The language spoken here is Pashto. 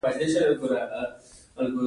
د نیوکه کوونکو لیدلورو ته پام شوی دی.